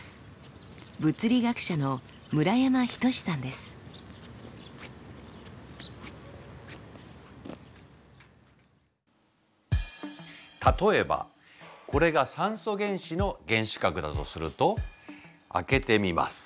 物理学者の例えばこれが酸素原子の原子核だとすると開けてみます。